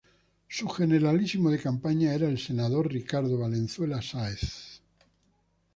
Su generalísimo de campaña era el senador Ricardo Valenzuela Sáez.